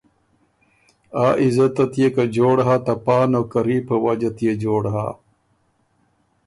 آ عزتت يې که جوړ هۀ ته پا نوکري په وجه تيې جوړ هۀ